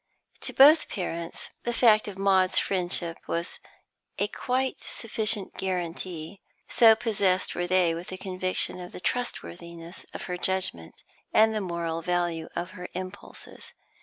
To both parents, the fact of Maud's friendship was a quite sufficient guarantee, so possessed were they with a conviction of the trustworthiness of her judgment, and the moral value of her impulses.